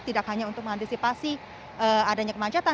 tidak hanya untuk mengantisipasi adanya kemacetan